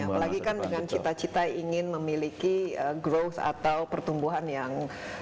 apalagi kan dengan cita cita ingin memiliki growth atau pertumbuhan yang